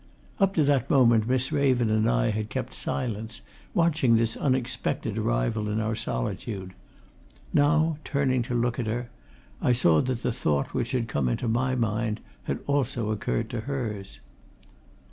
Up to that moment Miss Raven and I had kept silence, watching this unexpected arrival in our solitude; now, turning to look at her, I saw that the thought which had come into my mind had also occurred to hers.